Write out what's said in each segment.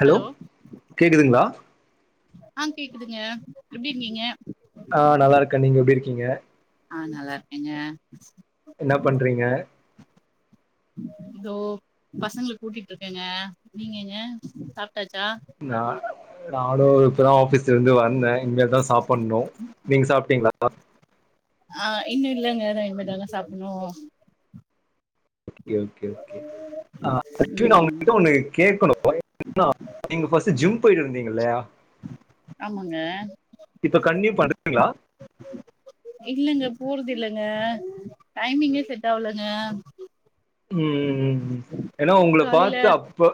Hello கேக்குதுங்ளா ஆ கேக்குதுங்க எப்டி இருக்கீங்க ஆ நல்லா இருக்கே நீங்க எப்டி இருக்கீங்க ஆ நல்லா இருக்கேங்க என்னா பண்றீங்க இதோ பசங்களுக்கு ஊட்டிட்டு இருக்கேங்க நீங்கங்க சாப்ட்டாச்சா நா நாலு [unintelligible] பேறும் ஆபீஸ்ல இருந்து வந்தேன் இனமல தா சாப்டணும் நீங்க சாப்ட்டீங்களா பா ஆ இன்னு இல்லங்க இத இனிமேதாங்க சாப்டணு ஓகே ஓகே ஓகே ஆக்சுலி அவங்க உங்க ம் கிட்ட ஒன்னு கேக்கணும் நீங்க ஃபர்ஸ்ட் ஜிம் போயிட்டு இருந்தீங்க இல்லையா ஆமாங்க இப்ப கண்ணிட் பண்ணுங்களா இல்லங்க போறது இல்லைங்க டைமிங்கே செட் ஆகலங்க உம் ஏன்னா உங்களை காலைல பாத்து அப்ப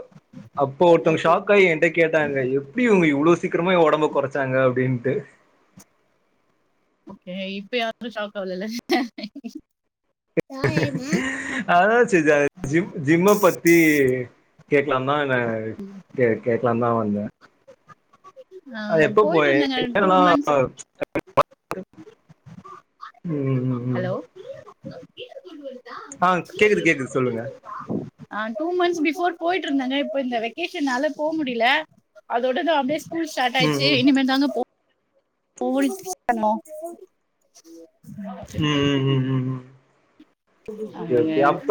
அப்ப ஒருத்தவங்க ஓகே ஷாக் ஆகி என்ட கேட்டாங்க எப்டி இவங்க இவ்வளவு சீக்கிரமா உடம்பு குறைச்சாங்க அப்டின்ட்டு ஓகே இப்ப யாரும் ஷாக்கு ஆவலலே அ [unintelligible] ஜிம் ஜிம்மை பத்தி கேக்கலாம்னா என்ன கே கேக்லாம்னு தா வந்தே ஆ அது எப்ப போயிட்டு போய இருந்தேங்க டூ என்னனா [inaudible] மந்த்ஸ் உம் உம் ஹலோ ஆ கேக்குது கேக்குது சொல்லுங்க ஆ டூ மந்த்ஸ் பிஃபோர் போயிட்டு இருந்தேங்க இப்ப இந்த வெக்கேஷனால போக முடியல அதோட தா அப்டியே ஸ்கூல் ஸ்டார்ட் ம் ஆயிச்சு ம் இனிமேதாங்க போ [inaudible] ம் உம் உம் உம் ஓகே அதுதாங்க ஓகே அப்ப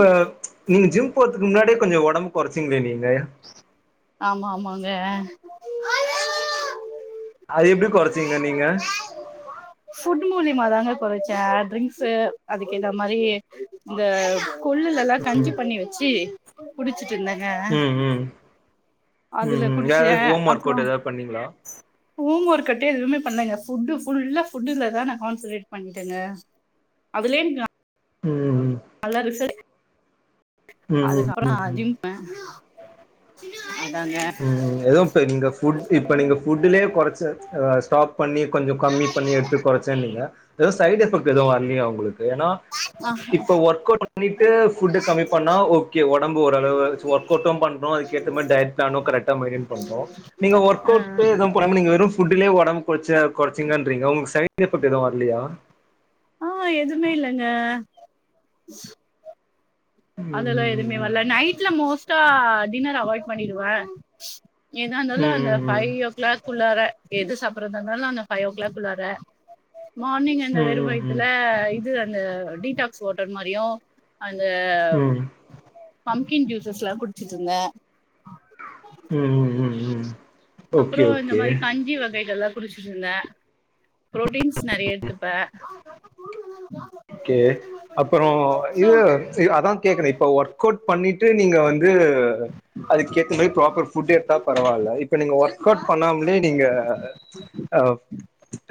நீங்க ஜிம் போறதுக்கு முன்னாடியே கொஞ்சோ உடம்பு குறைச்சிங்களே நீங்க ஆமா ஆமாங்க அ அது எப்டி குறைச்சிங்க நீங்க ஃபுட் மூலியமாதாங்க குறைச்சே ட்ரிங்க்ஸு அதுக்கு ஏத்த மாதிரி இந்த கொள்ளுல எல்லாம் கஞ்சி பண்ணி வச்சு குடிச்சுட்டு இருந்தேங்க ம் ம் ம் அதுல ம் வேற ஏதாவது குடிச்சேன் ஹோம் ஒர்க் அப்றோ அவுட் ஏதாவது பண்ணீங்களா ஹோம் ஒர்க் கட்ட எதுவுமே பண்ணலைங்க ஃபுட்டு ஃபுல்லா ஃபுட்டுலதா நா கான்சன்ட்ரேட் பண்ணிட்டேங்க அதுலயும் நா உம் நல்லா ரிசல்ட் ம் ம் ம் அதுக்கப்புறோ ம் ம் அதிகமா அததா உம் எதுவும் இ நீங்க இப்ப நீங்க ஃபுட்லயே கொஞ்சோ குறைச்ச ஸ்டாப் பண்ணி கொஞ்சோ கம்மி பண்ணி எடுத்து குறைச்சேனிங்க எதுவும் சைட் எஃபெக்ட் எதுவும் வரலைய உங்களுக்கு ஏன்னா ஆ இப்போ ஒர்க் அவுட் பண்ணிட்டு ஃபுட் கம்மி பண்ணா ஓகே உடம்பு ஓரளவு ஒர்க் அவுட்டு பண்ணோ அதுக்கு ஏத்த மாதிரி நானும் கரெக்டா மெயின்டன் பண்றோம் நீங்க ஒர்க் ஆ அவுட்டு பண்ணாம நீங்க வெறும் புட்லே உடம்பு குச்ச குச்சிங்கன்றறீங்க உங்களுக்கு சைட் எபெக்ட் எதுவு வரலயா ஆ எதுவுமே இல்லங்க அதெல்லா எதுவுமே ம் வரல நைட்ல மோஸ்ட்டா டின்னர் அவாய்ட் பண்ணிடுவ ஏதா இருந்தாலு ம் அந்த ஃபைவ் ஓ கிளாக்குள்ளார எது சாப்றது இருந்தாலு அந்த ஃபைவ் ஓ கிளாக் உள்ளார மார்னிங் அந்த ம் வெறுவயத்ல ம் இது அந்த டீடாக்ஸ் வாட்டர் மாறிவு அந்த ம் பம்க்கின் ஜூசஸ் எல்லா குடிச்சிட்டு இருந்த ம் ம் ஓகே அப்ரோ இந்த ஓகே மாறி கஞ்சி வகைகள் எல்லா புரிச்சிருந்த புரோட்டின்ஸ் நறைய எடுத்துப்ப ஒகே அப்ரோ இது அதா கேக்குற இப்ப ஒர்க் ஒர்க் அவுட் பண்ணிட்டு நீங்க வந்து அதுக்கேத்த மாறி ப்ராப்பர் ஃபுட் எடுத்தா பரவாயில்ல இப்ப நீங்க ஒர்க் அவுட் பண்ணாமலே நீங்க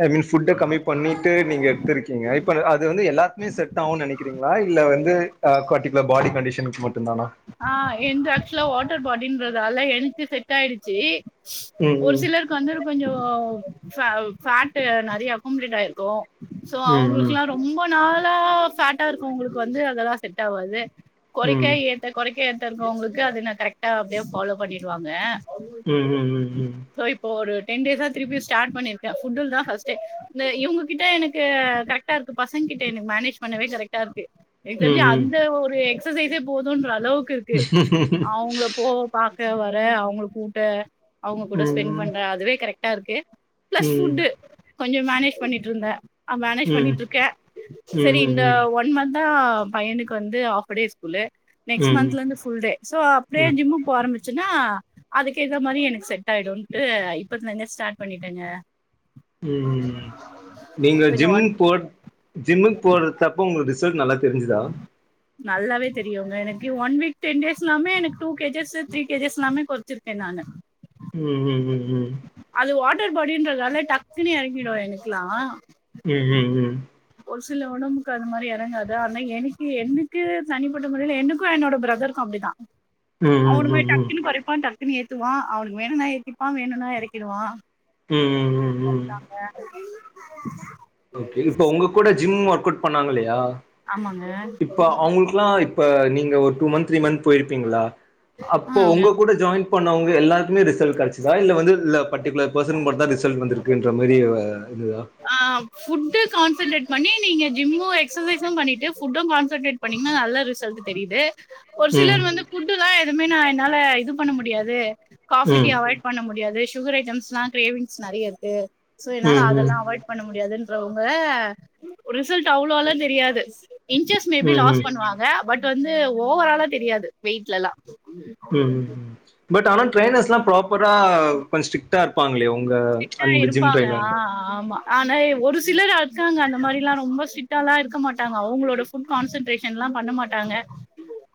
ஐ மீன் புட்ட கம்மி பண்ணிட்டு நீங்க எடுத்திருக்கீங்க இப்ப அது இது வந்து எல்லாத்துக்குமே செட் ஆகும்னு நினைக்கிறீங்களா இல்ல வந்து பர்டிகுலர் பாடி கண்டிஷனுக்கு மட்டு தானா ஆ என்து ஆக்சுவலா வாட்டர் பாடின்றதால எனக்கு செட் ஆயிடுச்சி ஒரு ம் சிலருக்கு வந்து கொஞ்சோ ஃப பேட் நறையக ஃபேட் அக்மலேட் ஆயிருக்கு சோ ம் அவங்களுக்கு ம் எல்லா ரொம்ப நாளா ஃபேட்டா இருக்கு அவங்களுக்கு வந்து அதெல்லா செட் ஆவாது குறைக்க ம் ஏத்த குறைக்க ஏத்த இருக்கறவங்களுக்கு அது நா கரெக்டா அப்டியே ஃபாலோ பண்ணிருவாங்க ம் ம் ம் உம் இப்ப ஒரு டென் டேஸா திருப்பி ஸ்டார்ட் பண்ணிக்க ஃபுட்டில் தா ஃபர்ஸ்ட்டே இந்த இவங்ககிட்ட எனக்கு கரெக் டா இருக்கு பசங்கிட்ட மேனேஜ் பண்ணவே கரெக்டா இருக்கு எனக்கு ம் ம் ம் ம் ம் ம் தெரிஞ்சி ம் அந்த ஒரு எக்சசைஸ் போதுன்ற அளவுக்கு இருக்கு அவுங்கப் போ பாக்க வர அவங்க கூட அவங்க கூட ஸ்பெண்ட் பண்ற அதுவே கரெக்ட்டா இருக்கு பிளஸ் ஃபுட் கொஞ்சோ மேனேஜ் பண்ணிட்டு இருந்த ஆ மேனேஜ் பண்ணிட்டு இருக்க செரி இந்த ஒன் மந்தா பையனுக்கு வந்து ஹாப் டே ஸ்கூலு ம் நெக்ஸ்ட் ம் மந்த்ல இருந்து ஃபுல் டே சோ அப்டியே ம் ஜிம்கு போக ஆரம்பிச்சின்னா அதுக்கு இத மாறி எனக்கு செட் ஆயிடுன்டு இப்பத்லே இருந்தே ஸ்டார்ட் பண்ணிட்டேங்க ம் நீங்க பின்ன ஜிம் ஒன் போட் ஜிம்முக்கு போற தப்ப உங்களுக்கு ரிசல்ட் நல்லா தெரிஞ்சதா நல்லாவே தெரியுங்க எனக்கு ஒன் வீக் டென் டேஸ் எல்லாமே எனக்கு டூ கேஜஸ் த்ரீ கேஜஸ் எல்லாமே குறைச்சிருக்க நானு உம் உம் உம் அது வாட்டர் பாடின்றதால டக்குனு இறங்கிடு எனக்கெல்லா உம் உம் உம் ஒரு சில உடம்புக்கு அது மாறி எறங்காது ஆனா எனக்கு என்க்கு தனிப்பட்ட முறையில் என்க்கு என்னோட பிரதருக்கு அப்டிதா ம் அவனுமே ம் டக்குனு குறைப்பா டக்குனு ஏத்துவா அவனுக்கு வேணும்னா ஏத்திப்பா வேணும்னா எரக்கிடுவா உம் உம் உம் உம் ஓகே இப்ப உங்க கூட ஜிம் ஒர்க் அவுட் பண்ணாங்க இல்லையா ஆமாங்க இப்ப அவங்களுக்குல்லா இப்ப நீங்க ஒரு டூ மன்த் த்ரீ மன்த் போயிருப்பீங்ளா அப்போ ஆங்க உங்க கூட ஜாயின் பண்ணங்க எல்லாருக்குமே ரிசல்ட் கிடச்சதா இல்ல வந்து பர்டிகுலர் பெர்சன் மட்டுதா ரிசல்ட் வந்துருக்குன்ற மாரி வ இதுதா ஆ ஃபுட் கான்சன்ட்ரேட் பண்ணி நீ நீங்க ஜிம்மு எக்சர்சைஸும் பண்ணிட்டு ஃபுட்டும் கான்சன்ட்ரேட் பண்ணீங்கன்னா நல்ல ரிசல்ட் தெரியுது ஒரு ம் சிலர் வந்து ஃபுட்டுல்லா எதுவுமே நா என்னால இது பண்ண முடியாது காஃபி டீ ம் அவாய்ட் பண்ண முடியாது சுகர் ஐட்டம்ஸ்லா கிரேவிங்ஸ் நறைய இருக்கு சோ என்னால ம் ம் அதெல்லா அவா அவாய்ட் பண்ண முடியாதுன்றவங்க ரிசல்ட் அவ்ளோலா தெரியாது இன்சஸ் மே பி ம் லாஸ் ம் பண்ணுவாங்க பட் வந்து ஓவராலா தெரியாது வெயிட்லல்லா ம் ம் ம் பட் ஆனா ட்ரரைனஸ்லா ப்ராப்பரா கொஞ்சோ ஸ்ரிட் ஸ்டிட்டா இருப்பாங்களே உங்க ஆ அந்த ஜிம் இருப்பாங்க டிரைனர் ஆ ஆமா ஆனா ஒரு சிலர் இருக்காங்க அந்த மாரில்லா ரொம்ப ஸ்ட்ரீட்டாளாம் இருக்க மாட்டாங்க அவுங்களோட ஃபுட் கான்சன்ட்ரேஷன்லா பண்ண மாட்டாங்க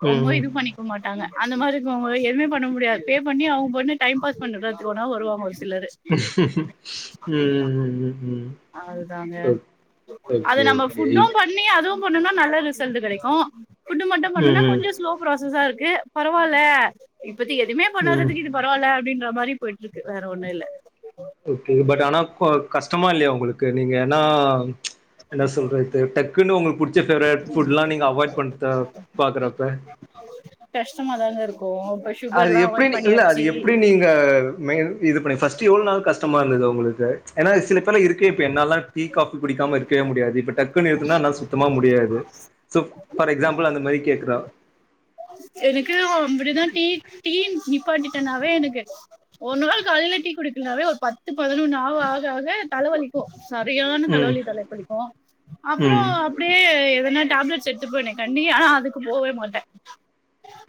ரொம்ப ம் இது பண்ணி போ மாட்டாங்க அந்த மாரி இருக்கவங்க எதுவுமே பண்ண முடியாது பே பண்ணி அவுங்க பெண்ணு டைம் பாஸ் பண்றதுக்கு ஒனா வருவாங்க ஒரு சிலரு ஹ ம் அது ஓகே நம்ம ஓகே ஃபுட்டும் பண் பண்ணி அதுவு பண்ணோன்னா நல்ல ரிசல்ட் கெடைக்கு ஃபுட்டு மட்டு ம் பண்ணோன்னா கொஞ்சம் ஸ்லோ ப்ராசஸா இருக்கு பரவால்ல இப்பத்தி எதுவுமே ம் ம் பண்ணாததுக்கு இது பரவால்ல அப்டின்ற மாரி போயிட்டுருக்கு வேற ஒன்னு இல்ல ஓகே பட் ஆனா கஷ்டமா இல்லையா உங்களுக்கு நீங்க ஏன்னா என்னா சொல்றது டக்குன்னு உங்களுகு புடிச்ச பேவரட் ஃபுட்லா நீங்க அவாய்ட் பண்றத பாக்குறப்ப கஷ்டமாதாங்க இருக்கு பஷ் அது எப்புடி நீ இல்ல அது எப்புடி நீ க மெயின் இது பண்ணி ஃபர்ஸ்ட் எவ்ளோ நாள் கஷ்டமா இருந்தது அவுங்களுக்கு ஏனா சில பேர்ல இருக்கே இப்ப என்னாலா டீ காஃபி குடிக்காம இருக்கவே முடியாது இப்ப டக் தட்குனு நிறத்துனா என்னால சுத்தமா முடியாது சோ ஃபர் எக்ஸாம்பிள் அந்த மாரி கேக்குறா எதுக்கு அம்பூடூ தா டீ டீ நிப்பாட்டிட்டானாவே எனக்கு ஒரு நாள் காலையில டீ குடிக்கல்னாவே ஒரு பத்து பதினொன்னு ஆவோ ஆக ஆக தலைவலி சரியான ம் தலைவலி தல புடிக்கு அப்றோ ம் அப்டியே எதனா டேப்லெட்ஸ் எடுத்துப்பேனே கண்டி ஆனா அதுக்கு போவே மாட்டே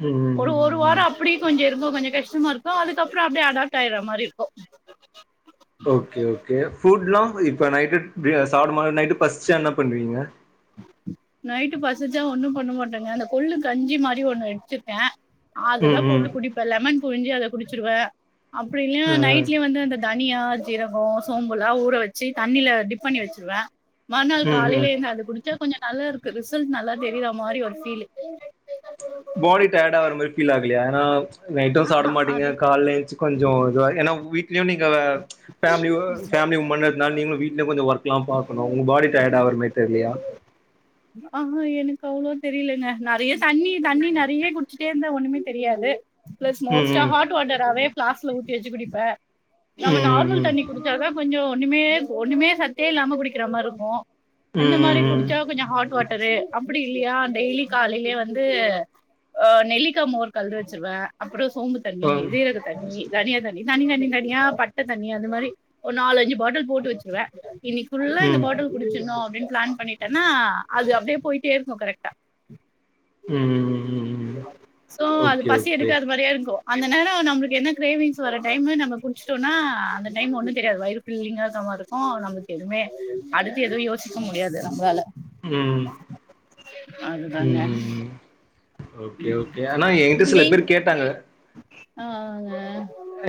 ம் ம் ஒரு ஒரு ம் ம் வாரோ அப் அப்டி கொஞ்சோ இருக்கவோ கொஞ்சோ கஷ்ட இருக்கு அதுக்கப்றோ அப்டியே அடாப்ட் ஆயிட்றா மாரி இருக்கு ஓகே ஓகே ஃபுட்லா இப்ப நைட்டு டிய சாப்டு மா நைட்டு பசுச்சா என்ன பண்வீங்க நைட்டு பசிச்சா ஒன்னும் பண்ண மாட்டேங்க அந்த கொள்ளு கஞ்சி மாரி ஒன்னு வச்சுப்பே அதுதா ம் ம் போட்டு குடிப்ப லெமன் புழிஞ்சி அத குடிச்சிருவே அப்டி இல்லா ம் நைட்லயே வந்து அந்த தனியா ஜீரகோ சோம்புலா ஊற வச்சு தண்ணில டிப் பண்ணி வெச்சிருவே மறுநாள் ம் ம் காலையில எழுந்து அத குடிச்சா கொஞ்சோ நல்லா இருக்கு ரிசல்ட் நல்லா தெரியுறா மாரி ஒரு ஃபீலு பாடி டயர்ட் ஆகற மாரி ஃபீல் ஆகலையா ஏனா நைட்டு சாப்ட மாட்டிங் அது கால்ல எழூஞ்சி கொஞ்சோ இதுவா ஏன்னா வீட்லயு நீங்க ஃபேமலி ஒ ஃபேமலி உம்முனு இருந்தா நீங்களு வீட்லே கொஞ்சோ ஒர்க்லா பாகணு உங்க பாடி டையர்ட் ஆவறா மாரி தெர்லையா அ ஹா எனக்கு அவ்ளோ தெரிலங்க நெறைய தண்ணி தண்ணி நெறைய குடிச்சிட்டே இருந்த ஒன்னூமே தெரியாது ப்ளஸ் ம் மோஸ்ட்டா ம் ஹாட் வாட்டராவே பிளாஸ்க்ல ஊத்தி வெச்சு குடிப்பே நம்ம ம் நார்மல் ம் தண்ணி குடிச்சாதா கொஞ்சோ ஒன்னுமே ஒன்னுமே சத்தே இல்லாம குடிக்கிற மாரி இருக்கு ம் அந்த ம் ம் ம் ம் மாரி குடிச்ச கொஞ்சோ ஹாட் வாட்டரு அப்டி இல்லையா டெய்லி காலையிலயே வந்து அ நெல்லிக்கா மோர் கலந்து வெச்சிருவே அப்றோ சோம்புத் தண்ணி ஜீரக தண்ணி தனியா தண்ணி தனி தனி தனியா பட்ட தண்ணி அது மாரி ஒரு நாலஞ்சு பாட்டில் போட்டு வெச்சிருவே இன்னைக்கி ஃபுல்லா இந்த பாட்டல் குடிச்சிட்ணோ அப்டின்னு பிளான் பண்ணிட்டேன்னா அது அப்டியே போயிட்டே இருக்கு கரெக்டா ம் ம் ம் ம் சோ அது ஓகே பசி ஓகே எடுக்காத மாரியே இருக்கு அந்த நேர நம்மளுக்கு என்ன கிரேவிங்ஸ் வர டைம் நம்ம கு வச்சட்டோனா அந்த டைம் ஒண்ணு தெரியாது வயிறு ஃபில்லிங்கா இருக்க மாரி இருக்கும் அப்பற நம்மளுக்கு எதுவுமே அடுத்து எதுவு யோசிக்க முடியாது நம்மளால ம் அதுதாங்க ம் ம் ஓகே ஓகே ஆனா எயகிட்ட சில பேர் கேட்டாங்க ஆஹ்ங்க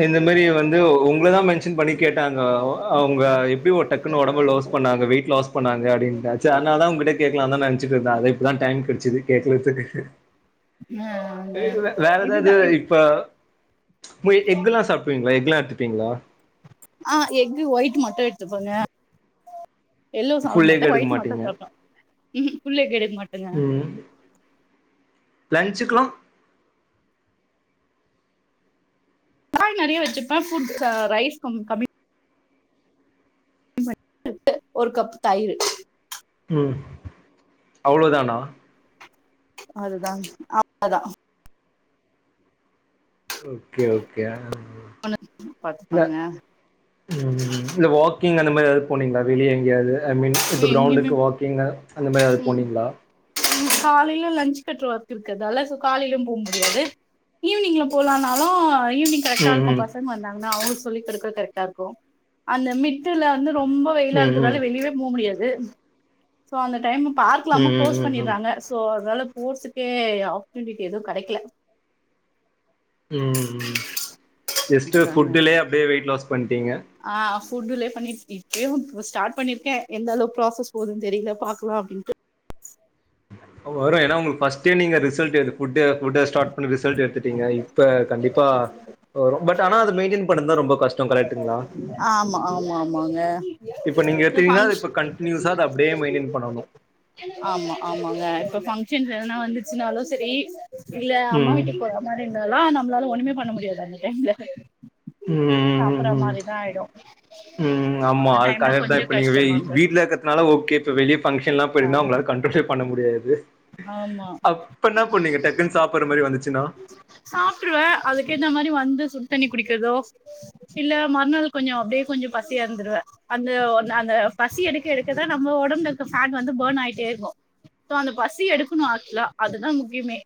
இந்த மாரி வந்து உங்கள தா மென்ஷன் பண்ணி கேட்டாங்க அவங்க எப்படி ஒரு டக்குன்னு உடம்பு லாஸ் பண்ணாங்க வெயிட் லாஸ் பண்ணாங்க அப்டின்னு செரி அதனால தா உங்கிட்ட கேட்கலாம்னுதா நெனச்சிட்டு இருந்த அத இப்பதா டைம் கிடச்சது கேக்லாந்த் ஹ் ஆங்க இ ல வேற ஏதாவது இதுதா இப்ப பெய் எக் எல்லா சாப்டுவீங்களா எக் எல்லா எடுத்துப்பீங்களா அ எக்கு ஒயிட் மட்டு எடுத்துப்பங்க எல்லோ சாப்புட ஃபுல் எக் மாட்ட எடுக்க ஒயிட் மட்டு மாட்டீங்க. சாப்புடுவ ம்ஹும் ஃபுல் எக் எடுக்க மாட்டங்க லன்சுக்கலா ப்ரான் நெறய வச்சிப்ப புட்ச ஆ ரைஸ் கம் கம்மி த் ஒரு கப் தயிரூ ம் அவ்ளோ தானா அதுதாங்க அவ்ளோ தா ஓகே ஓகே ஆஆ ல்ல பாத்துப்பங்க ம்ம் இல்ல வாக்கிங் அந்த மாதிரி ஏதாவது போனீங்களா வெளிய எங்யாவது ஐ மீன் இப்போ எங்கேயுமே க்ரௌண்டுக்கு வாக்கிஙு அந்த மாதிரி ஏதாவது போனிீங்களா காலைல லஞ்ச் கட்ற ஒர்க் இருக்றதால சோ காலைல போக முடியாது ஈவினிங்ல போலாம்னாலும் ஈவினிங் கரெக்டா ம், இருக்கும் ம். பசங்க வந்தாங்கன்னா அவங்களுக்கு சொல்லி கொடுக்க கரெக்டா இருக்கும் அந்த மிட்டுல வந்து ரொம்ப வெயிலா ம், ம். இருக்றதால வெளியவே போக முடியாது சோ அந்த டைமு பாக்க எல்லாமு ம், ம், க்ளோஸ் ம், ம். பண்ணிராங்க சோ அதனால போறதுக்கே ஆப்பர்ச்சுனிட்டி எதுவு கிடக்கல ம்ம் ஜஸ்ட்டு ஃபுட்டுலயே அப்டியே வெயிட் லாஸ் பண்ணிட்டீங்க அ ஃபுட்டுலே பண்ணிட்டு இப்பயு ஸ்டார்ட் பண்ணிருக்க எந்த அளவு ப்ராசஸ் போவுதுனு தெரியல பாக்கலா அப்டின்ட்டு வரும் ஏன்னா உங்களுக்கு ஃபஸ்ட டே நீங்க ரிசல்ட எடுத்து ஃபுட் ஃபுட் ஸ்டாட் பண்ணி ரிட்சல் எடுத்துட்டிங்க இப்ப கண்டிப் ப்ப வரு பட் ஆனா அத மெயின்டென் பண்ணதுதா ரொம்ப கஷ்ட கரெக்ட்டுங்களா ஆம்ம்மா ஆமா ஆமாங்க இப்ப நீங்க இந்த எத்தீங்கன்னா அத ஃபங்ஷ் இப்ப கண்டினியூஸா அத அப்டியே மெயின்டைன் பண்ணனும் ஆமா ஆமாங்க இப்ப பங்க்ஷன்ஸ் எதுனா வந்துச்சுனாலும் சரி இல்ல அம்மா ம் வீட்டுக்கு போர மாதின்தாலா நம்லால ஒண்ணுமே பண்ண முடியாது அந்த டைம்ல ம் சாப்பற மாதிரிதா ஆயிடு உம் ஆமா அந்த டைம்ல அதுக்கரட் தா கொஞ்சோ இப்ப நீங்க கஷ்டமா இருக்கு வீட்டுல இருக்க த்னால ஓகே இப்ப வெளிய பங்க்ஷன் எல்லா ஆ போயிருந்தா உங்ளால கண்ட்ரோலே பண்ண முடியாது ஆமா அப் இப்ப என்ன பண்ணீங்க டக்குனு சாப்பாற மாதிரி வந்துச்சுன்னா சாப்ட்ருவ அதுக்கேத்தா மாதிரி வந்து சுடு தண்ணி குடிக்கிறதோ இல்ல மறுநாள் கொஞ்சோ அப்டியே கொஞ்சோ பசியாந்துடுவ அந்த அந்த பசி எடுக்க எடுக்கதா நம்ம ஒடம்புல ருக்க ஃபேட் வந்து பேர்ன் ஆயிட்டே ருக்கும் சோ அந்த பசி எடுக்கணு ஆக்சுவலா அதுதா முக்கியமே